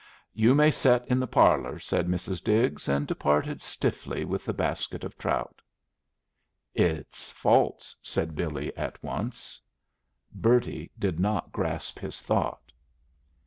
"You may set in the parlor," said Mrs. Diggs, and departed stiffly with the basket of trout. "It's false," said Billy, at once. Bertie did not grasp his thought.